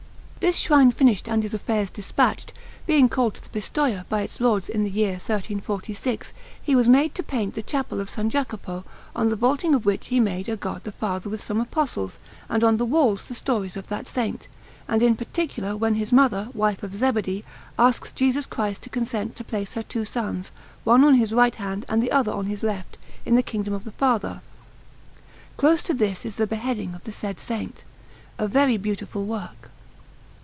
This shrine finished and his affairs dispatched, being called to Pistoia by its Lords in the year 1346, he was made to paint the Chapel of S. Jacopo, on the vaulting of which he made a God the Father with some Apostles, and on the walls the stories of that Saint, and in particular when his mother, wife of Zebedee, asks Jesus Christ to consent to place her two sons, one on His right hand and the other on His left hand, in the Kingdom of the Father. Close to this is the beheading of the said Saint, a very beautiful work.